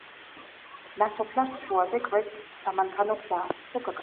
ნასოფლარს შუაზე კვეთს სამანქანო გზა.